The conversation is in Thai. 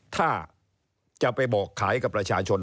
ถ้าจะไปบอกขายกับประชาชน